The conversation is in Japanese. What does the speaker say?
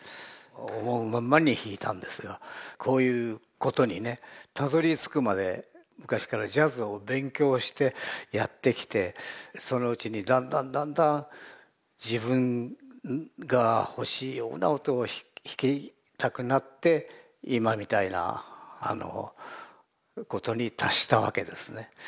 思うままに弾いたんですがこういうことにねたどりつくまで昔からジャズを勉強してやってきてそのうちにだんだんだんだん自分が欲しいような音を弾きたくなって今みたいなことに達したわけですね。